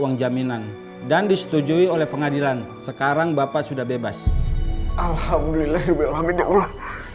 uang jaminan dan disetujui oleh pengadilan sekarang bapak sudah bebas alhamdulillah